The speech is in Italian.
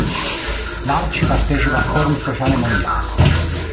L'Arci partecipa al forum sociale mondiale.